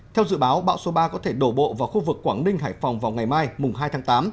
theo dự báo bão số ba có thể đổ bộ vào khu vực quảng ninh hải phòng vào ngày mai mùng hai tháng tám